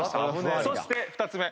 そして２つ目。